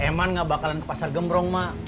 eman nggak bakalan ke pasar gembrong mak